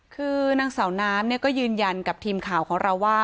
คือนางสาวน้ำก็ยืนยันกับทีมข่าวของเราว่า